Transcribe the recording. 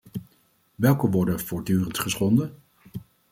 Welke worden voortdurend geschonden?